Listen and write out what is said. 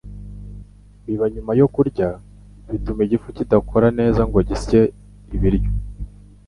Biba nyuma yo kurya bituma igifu kidakora neza ngo gisye ibiryo.